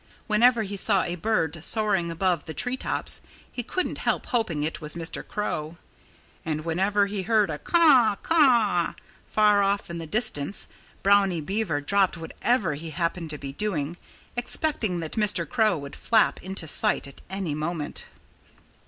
Whenever he saw a bird soaring above the tree tops he couldn't help hoping it was Mr. Crow. And whenever he heard a caw caw far off in the distance Brownie Beaver dropped whatever he happened to be doing, expecting that Mr. Crow would flap into sight at any moment.